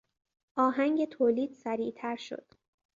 آهنگ تولید سریعتر شد.